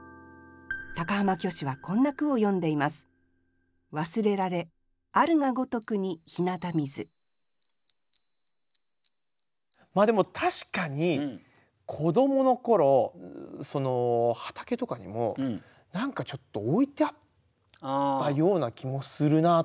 高浜虚子はこんな句を詠んでいますでも確かに子どもの頃畑とかにも何かちょっと置いてあったような気もするなと。